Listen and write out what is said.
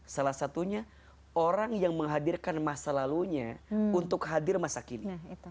salah satunya orang yang menghadirkan masa lalunya untuk hadir masa kini